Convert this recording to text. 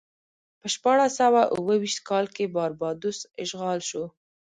په شپاړس سوه اوه ویشت کال کې باربادوس اشغال شو.